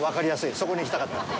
そこに行きたかった。